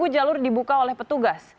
jalur dibuka oleh petugas